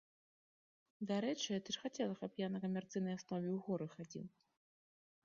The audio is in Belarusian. Дарэчы, ты ж хацела, каб я на камерцыйнай аснове ў горы хадзіў.